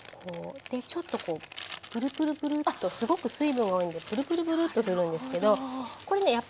でちょっとこうプルプルプルッとすごく水分が多いんでプルプルプルッとするんですけどこれね